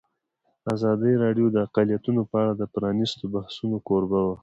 ازادي راډیو د اقلیتونه په اړه د پرانیستو بحثونو کوربه وه.